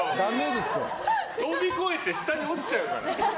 飛び越えて下に落ちちゃうから。